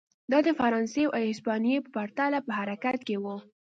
دا د فرانسې او هسپانیې په پرتله په حرکت کې و.